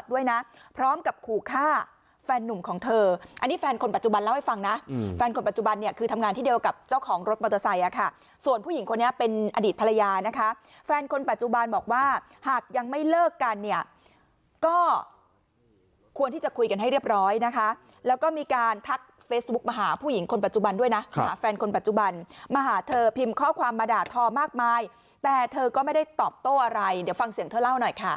ส่วนผู้หญิงคนนี้เป็นอดีตภรรยานะคะแฟนคนปัจจุบันบอกว่าหากยังไม่เลิกกันเนี่ยก็ควรที่จะคุยกันให้เรียบร้อยนะคะแล้วก็มีการทักเฟซบุ๊กมาหาผู้หญิงคนปัจจุบันด้วยนะหาแฟนคนปัจจุบันมาหาเธอพิมพ์ข้อความมาด่าทอมากมายแต่เธอก็ไม่ได้ตอบโต้อะไรเดี๋ยวฟังเสียงเธอเล่าหน่อยค่ะ